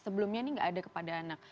sebelumnya ini gak ada kepada anak